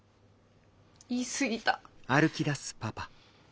言い過ぎた。